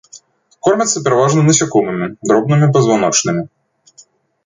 Кормяцца пераважна насякомымі, дробнымі пазваночнымі.